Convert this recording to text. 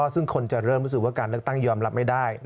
ซึ่งคนจะเริ่มรู้สึกว่าการเลือกตั้งยอมรับไม่ได้